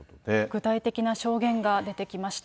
具体的な証言が出てきました。